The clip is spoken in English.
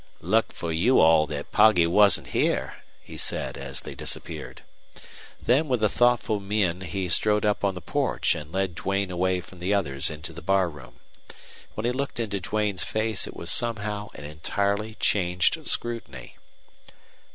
"Luck fer you all thet Poggy wasn't here," he said, as they disappeared. Then with a thoughtful mien he strode up on the porch and led Duane away from the others into the bar room. When he looked into Duane's face it was somehow an entirely changed scrutiny.